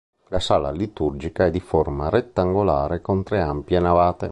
La sala liturgica è di forma rettangolare con tre ampie navate.